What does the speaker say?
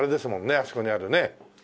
あそこにあるね。